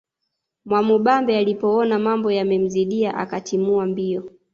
Mwamubambe alipoona mambo yamemzidia akatimua mbio